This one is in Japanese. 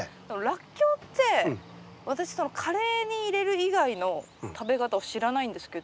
ラッキョウって私カレーに入れる以外の食べ方を知らないんですけど。